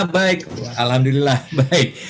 baik alhamdulillah baik